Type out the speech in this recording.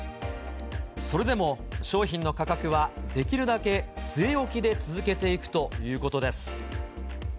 それでも、商品の価格はできるだけ据え置きで続けていくということです。